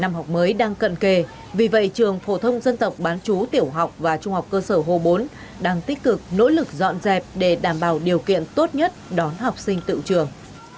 năm học mới đang cận kề vì vậy trường phổ thông dân tộc bán chú tiểu học và trung học cơ sở hồ bốn đang tích cực nỗ lực dọn dẹp để đảm bảo điều kiện tốt nhất đón học sinh tự trường